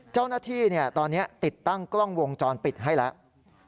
เจ้าหน้าที่ตอนนี้ติดตั้งกล้องวงจรปิดให้แล้ว